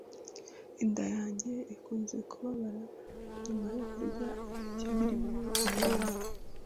Inda yanjye ikunze kubabara nyuma yo kurya ibiryo birimo ibirungo.